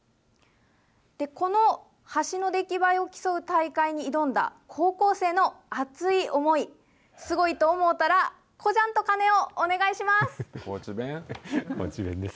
この橋の出来栄えを競う大会に挑んだ高校生の熱い思い、すごいと思うたら、高知弁です。